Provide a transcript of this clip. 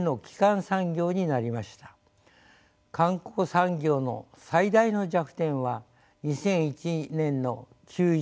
観光産業の最大の弱点は２００１年の９．１１